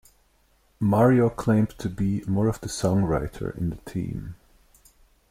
Mario claimed to be more of the songwriter in the team.